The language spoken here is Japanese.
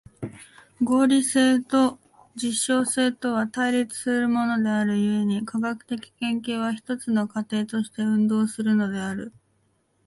合理性と実証性とは対立するものである故に、科学的研究は一つの過程として運動するのである。